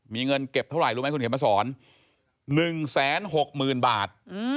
มีเงินเก็บเท่าไหร่รู้ไหมคุณเขียนมาสอน๑๖๐๐๐บาท